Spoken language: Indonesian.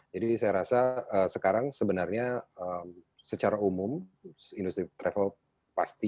jadi saya rasa sekarang sebenarnya secara umum industri travel berubah